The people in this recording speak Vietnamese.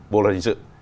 bộ lời hình sự